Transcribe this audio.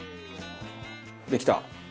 できた。